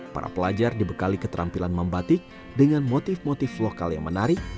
para pelajar dibekali keterampilan membatik dengan motif motif lokal yang menarik